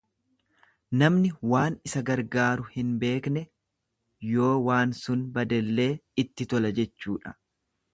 Namni waan isa gargaaru hin beekne yoo waan sun badellee itti tola jechuudha.